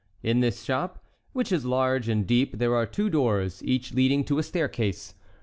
In this shop, which is large and deep, there are two doors, each leading to a staircase.